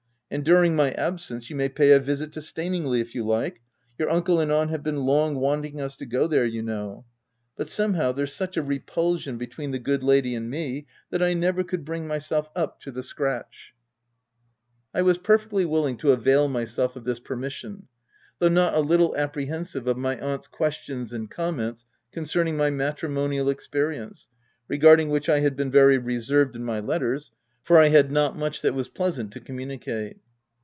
And during my absence you may pay a visit to Staningley, if you like: your uncle and aunt have long been wanting us to go there, you know ; but somehow, there's such a repulsion between the good lady and me, that I never could bring myself up to the scratch." OF WILDFELL HALL. 203 I was perfectly willing to avail myself of this permission, though not a little apprehensive of my aunt's questions and comments concerning my matrimonial experience, regarding which I had been very reserved in my letters, for I had not much that was pleasant to communicate.